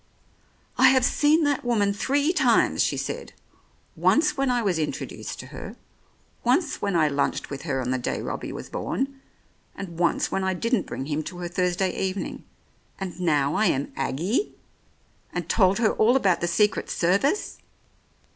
"I have seen that woman three times," she said, 97 The Oriolists "once when I was introduced to her, once when I lunched with her on the day Robbie was born, and once when I didn't bring him to her Thursday even ing. And now I am ' Aggie,' and told her all about the Secret Service